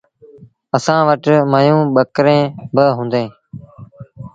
اَسآݩ وٽ ميݩوهيݩ ٻڪريݩ با هُݩديٚݩ۔